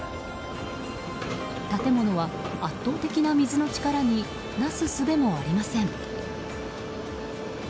建物は圧倒的な水の力になすすべもありません。